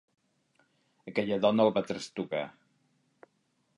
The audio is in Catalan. Aquella dona el va trastocar.